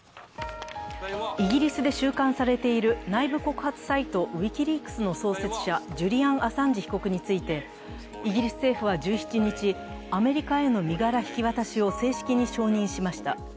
イギリスで収監されている内部告発サイト、ウィキリークスの創設者、ジュリアン・アサンジ被告についてイギリス政府は１７日、アメリカへの身柄引き渡しを正式に承認しました。